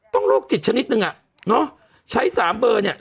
ต้องโลกจิตชนิดนึงอะใช้๓เบอร์เนี่ย